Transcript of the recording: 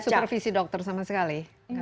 supervisi dokter sama sekali